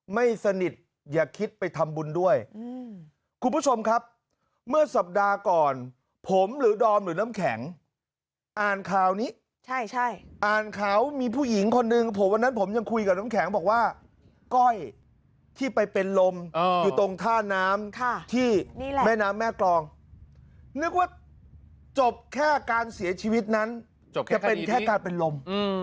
ไม่สนิทอย่าคิดไปทำบุญด้วยคุณผู้ชมครับเมื่อสัปดาห์ก่อนผมหรือดอมหรือน้ำแข็งอ่านข่าวนี้ใช่ใช่อ่านเขามีผู้หญิงคนหนึ่งผมวันนั้นผมยังคุยกับน้ำแข็งบอกว่าก้อยที่ไปเป็นลมอยู่ตรงท่าน้ำที่แม่น้ำแม่กรองนึกว่าจบแค่การเสียชีวิตนั้นจะเป็นแค่การเป็นลม